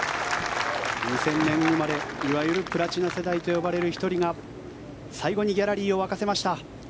２０００年生まれいわゆるプラチナ世代といわれる１人が最後にギャラリーを沸かせました。